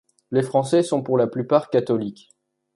Les Français sont pour la plupart catholiques.